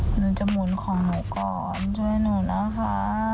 หนูจะหมุนของหนูก่อนช่วยหนูนะคะ